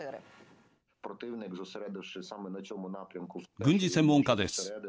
軍事専門家です。